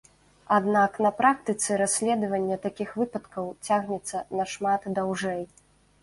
Аднак на практыцы расследаванне такіх выпадкаў цягнецца нашмат даўжэй.